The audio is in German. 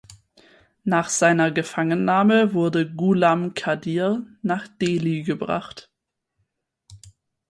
Nach seiner Gefangennahme wurde Ghulam Qadir nach Delhi gebracht.